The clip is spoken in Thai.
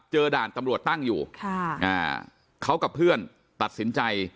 ด่านตำรวจตั้งอยู่เขากับเพื่อนตัดสินใจ